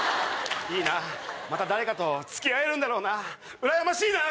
また誰かと付き合えるんだろうなうらやましいな。